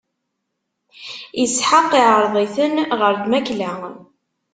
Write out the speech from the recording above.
Isḥaq iɛreḍ-iten ɣer lmakla.